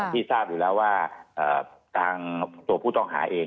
ที่ทราบอยู่แล้วว่าทางตัวผู้ต้องหาเอง